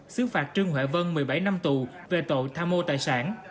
xứ phạt trương huệ vân một mươi bảy năm tù về tội tham mô tài sản